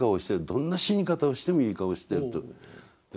どんな死に方をしてもいい顔をしてると。